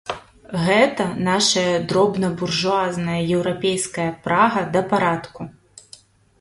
Гэтая нашая дробнабуржуазная еўрапейская прага да парадку.